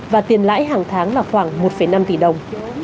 và tiền lãi hàng tháng là khoảng một năm tỷ đồng